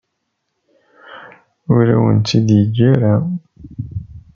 Ur awen-tt-id-yeǧǧa ara.